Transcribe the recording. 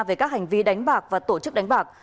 về các hành vi đánh bạc và tổ chức đánh bạc